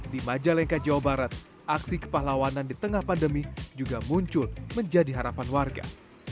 di majalengka jawa barat aksi kepahlawanan di tengah pandemi juga muncul menjadi harapan warga